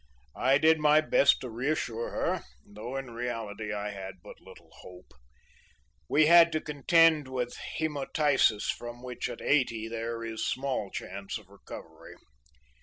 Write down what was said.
I did my best to reassure her, though in reality I had but little hope. We had to contend with hæmoptysis from which at eighty there is small chance of recovery.